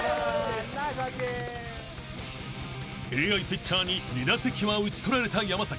［ＡＩピッチャーに２打席は打ち取られた山］